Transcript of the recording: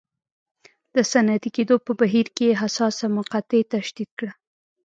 د صنعتي کېدو په بهیر کې حساسه مقطعه تشدید کړه.